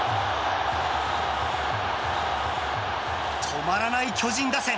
止まらない巨人打線。